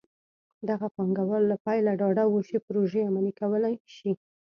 دغه پانګوال له پیله ډاډه وو چې پروژې عملي کولی شي.